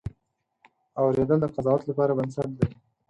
اورېدل د قضاوت لپاره بنسټ دی.